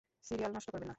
Serial নষ্ট করবেন না।